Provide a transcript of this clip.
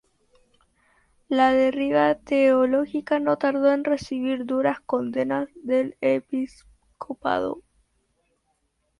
La deriva teológica no tardó en recibir duras condenas del episcopado.